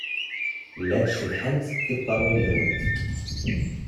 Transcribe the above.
Llant cebḥent tiṭṭawin-nwent.